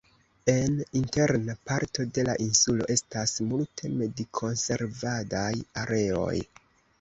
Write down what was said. En interna parto de la insulo estas multe medikonservadaj areoj.